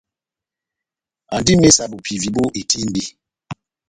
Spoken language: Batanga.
Ando ó imésa bopivi bó etímbi.